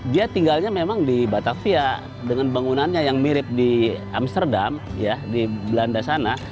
dia tinggalnya memang di batavia dengan bangunannya yang mirip di amsterdam di belanda sana